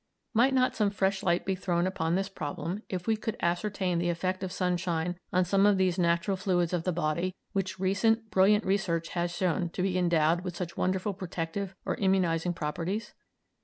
Might not some fresh light be thrown upon this problem if we could ascertain the effect of sunshine on some of these natural fluids of the body, which recent brilliant research has shown to be endowed with such wonderful protective or immunising properties?